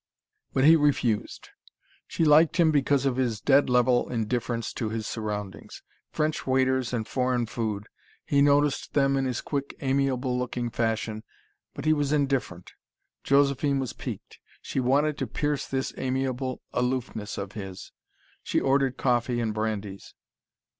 But he refused. She liked him because of his dead level indifference to his surroundings. French waiters and foreign food he noticed them in his quick, amiable looking fashion but he was indifferent. Josephine was piqued. She wanted to pierce this amiable aloofness of his. She ordered coffee and brandies.